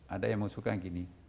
ada yang mengusulkan gini